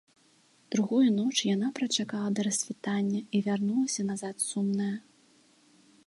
Другую ноч яна прачакала да рассвітання і вярнулася назад сумная.